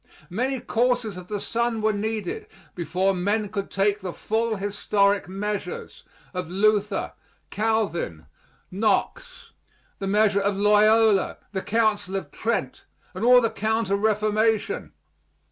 Many courses of the sun were needed before men could take the full historic measures of Luther, Calvin, Knox; the measure of Loyola, the Council of Trent, and all the counter reformation.